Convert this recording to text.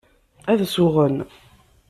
Ad suɣen.